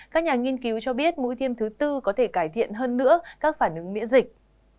các nhà nghiên cứu cho biết mũi tiêm thứ tư có thể cải thiện hơn nữa các phản ứng miễn dịch